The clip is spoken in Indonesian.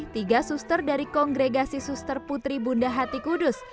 tiga suster dari kongregasi suster putri bunda hati kudus